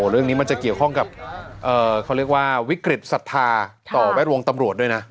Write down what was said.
เรื่องนี้มันจะเกี่ยวข้องกับวิกฤตศรัทธาต่อไปรวมตำรวจด้วยนะ